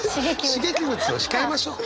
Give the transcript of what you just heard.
刺激物を控えましょう。